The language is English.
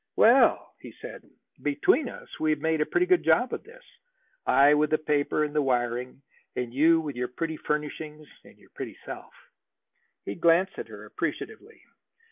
"Well!" he said. "Between us we have made a pretty good job of this, I with the paper and the wiring, and you with your pretty furnishings and your pretty self." He glanced at her appreciatively.